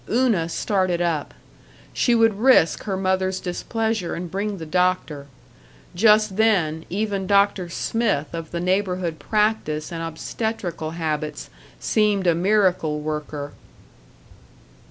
Una started up. She would risk her mother's displeasure and bring the doctor. Just then, even Doctor Smyth of the neighborhood practice and obstetrical habits seemed a miracle worker.